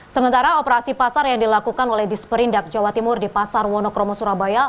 sementara operasi pasar yang dilakukan oleh disperindak jawa timur di pasar wonokromo surabaya